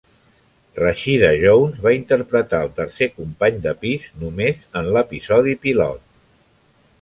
Rashida Jones va interpretar el tercer company de pis només en l'episodi pilot.